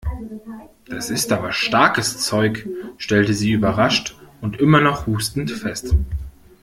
Das ist aber starkes Zeug!, stellte sie überrascht und immer noch hustend fest.